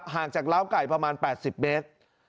ห่างจากล้าวไก่ประมาณ๘๐เมตร